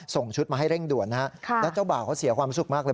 ส่งชุดมาให้เร่งด่วนนะฮะแล้วเจ้าบ่าวเขาเสียความสุขมากเลย